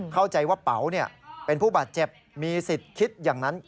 เข้าใจว่าเป๋าเป็นผู้บาดเจ็บมีสิทธิ์คิดอย่างนั้น